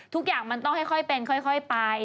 ทุกอย่างมันต้องค่อยเป็นค่อยไป